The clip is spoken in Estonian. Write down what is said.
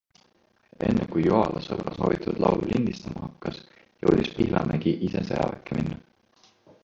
Enne kui Joala sõbra soovitatud laulu lindistama hakkas, jõudis Pihlamägi ise sõjaväkke minna.